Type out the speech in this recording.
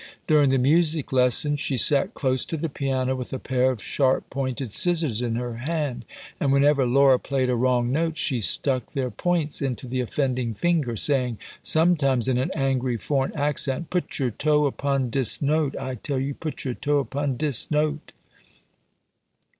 During the music lessons, she sat close to the piano, with a pair of sharp pointed scissors in her hand, and whenever Laura played a wrong note, she stuck their points into the offending finger, saying sometimes in an angry foreign accent, "put your toe upon 'dis note! I tell you, put your toe upon 'dis note!"